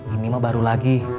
ini mah baru lagi